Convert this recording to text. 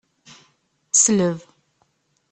Sleb.